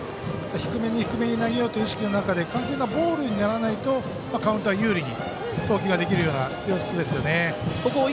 低めに低めに投げようという意識の中で完全にボールにならないとカウントは有利に投球ができるような様子ですね。